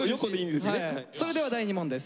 それでは第２問です。